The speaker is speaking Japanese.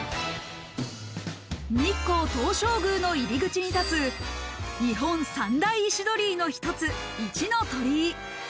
日光東照宮の入口に立つ日本三大石鳥居の一つ、一の鳥居。